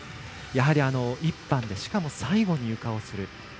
やはり１班でしかも最後に、ゆかをする。